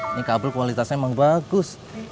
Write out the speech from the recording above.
ini kabel kualitasnya memang bagus